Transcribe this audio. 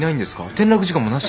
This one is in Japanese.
転落事故もなし？